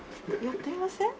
やってみません？